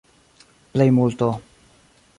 plejmulto